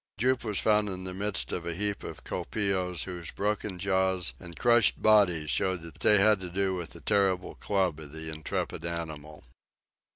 Jup was found in the midst of a heap of colpeos whose broken jaws and crushed bodies showed that they had to do with the terrible club of the intrepid animal.